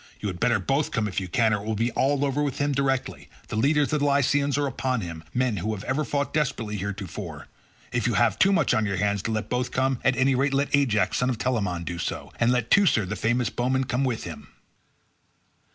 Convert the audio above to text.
You had better both come if you can, or it will be all over with him directly; the leaders of the Lycians are upon him, men who have ever fought desperately heretofore; if you have too much on your hands to let both come, at any rate let Ajax, son of Telamon, do so, and let Teucer, the famous bowman, come with him."